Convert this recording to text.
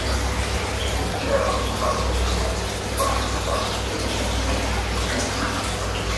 C'erano stalle su tutti e quattro i lati della piazza.